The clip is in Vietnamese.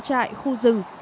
trại khu rừng